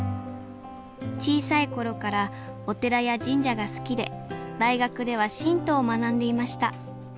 小さい頃からお寺や神社が好きで大学では神道を学んでいました。